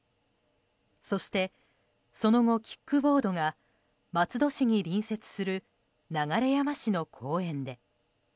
そして、その後キックボードが松戸市に隣接する流山市の公園で。